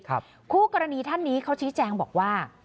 คู่กรณีท่านนี้เขาชี้แจงบอกว่า